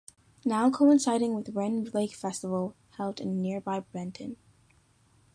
Now coinciding with Rend Lake Festival, held in nearby Benton.